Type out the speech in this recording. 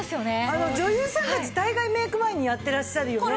女優さんたち大概メイク前にやってらっしゃるよね。